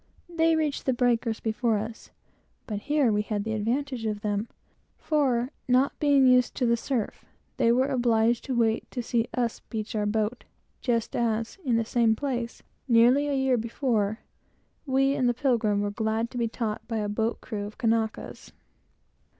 They reached the breakers before us; but here we had the advantage of them, for, not being used to the surf, they were obliged to wait to see us beach our boat, just as, in the same place, nearly a year before, we, in the Pilgrim, were glad to be taught by a boat's crew of Kanakas.